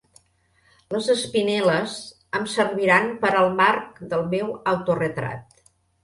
Les espinel·les em serviran per al marc del meu autoretrat.